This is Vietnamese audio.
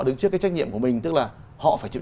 đứng trước cái trách nhiệm của mình tức là họ phải chịu